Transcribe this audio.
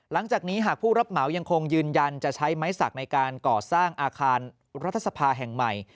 หลังจากนี้หากผู้รับเหมายังคงยืนยันจะใช้ไม้สักในการก่อสร้างอาคารรัฐสภาแห่งใหม่